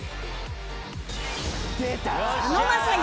佐野晶哉